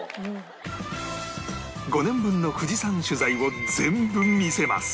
５年分の富士山取材を全部見せます